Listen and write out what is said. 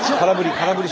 空振り。